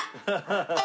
ハハハッ。